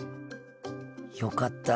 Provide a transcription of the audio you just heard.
よかった。